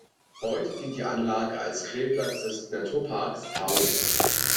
Heute dient die Anlage als Grillplatz des Naturparks Taunus.